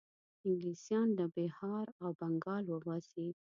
انګلیسیان له بیهار او بنګال وباسي.